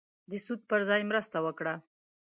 د سود پر ځای مرسته وکړه.